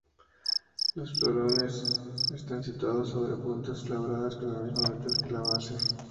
Los florones están situados sobre puntas elaboradas con el mismo metal que la base.